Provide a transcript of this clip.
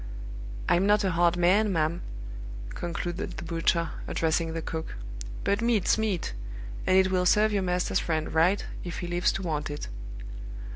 I'm not a hard man, ma'am," concluded the butcher, addressing the cook, "but meat's meat; and it will serve your master's friend right if he lives to want it."